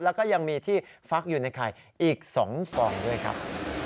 แล้วก็ยังมีที่ฟักอยู่ในไข่อีก๒ฟองด้วยครับ